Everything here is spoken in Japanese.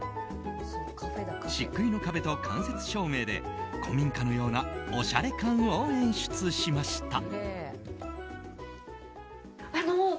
しっくいの壁と間接照明で古民家のようなおしゃれ感を演出しました。